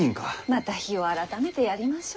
また日を改めてやりましょう。